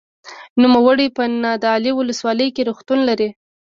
نوموړی په نادعلي ولسوالۍ کې روغتون لري.